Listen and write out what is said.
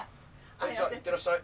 はいじゃあ行ってらっしゃい。